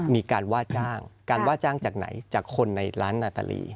มีการว่าจ้างการว่าจ้างจากไหนจากคนในร้านนาตาลี